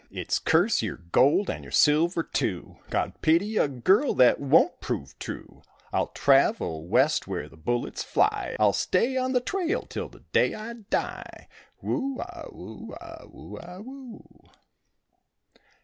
"It's curse your gold and your silver too, God pity a girl that won't prove true; I'll travel West where the bullets fly, I'll stay on the trail till the day I die." Whoo a whoo a whoo a whoo.